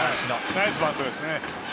ナイスバントですね。